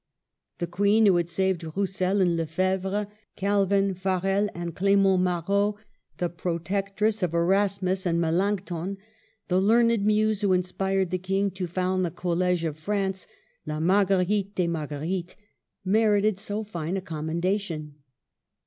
The Queen who had saved Roussel and Lefebvre, THE END. 315 Calvin, Farel, and Clement Marot, . the protec tress of Erasmus and Melanchthon, the learned muse who inspired the King to found the Col lege of France, la Marguerite des MargueriteSy merited so fine a commendation.